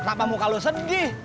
kenapa muka lo sedih